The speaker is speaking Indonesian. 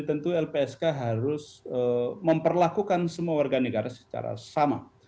tentu lpsk harus memperlakukan semua warga negara secara sama